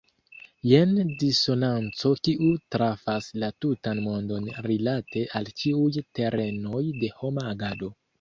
Jen disonanco kiu trafas la tutan mondon rilate al ĉiuj terenoj de homa agado.